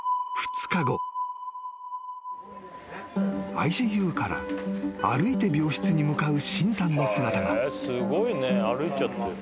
［ＩＣＵから歩いて病室に向かう申さんの姿が］